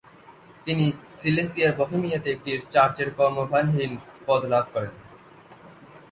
তিনি সিলেসিয়ার বহেমিয়াতে একটি চার্চের কর্মভারহীন পদ লাভ করেন।